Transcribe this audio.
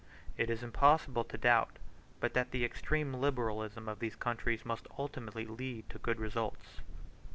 It is impossible to doubt but that the extreme liberalism of these countries must ultimately lead to good results.